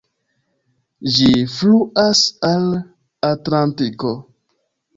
Ĝi fluas al Atlantiko.